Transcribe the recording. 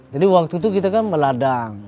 jadi waktu itu kita kan meladang